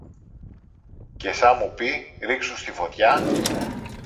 Και σα μου πει ρίξου στη φωτιά